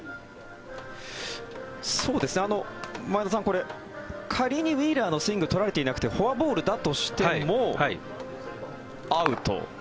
前田さん、これ、仮にウィーラーのスイングを取られていなくてフォアボールだとしてもアウト。